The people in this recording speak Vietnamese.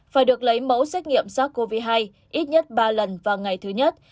phải được lấy mẫu xét nghiệm sars cov hai ít nhất ba lần vào ngày thứ nhất